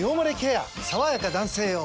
さわやか男性用」